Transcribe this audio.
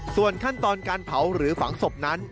ส่วนขั้นตอนการเผาหรือฝังศพนั้น